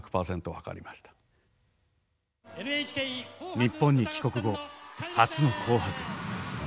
日本に帰国後初の「紅白」。